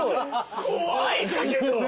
怖いんだけど。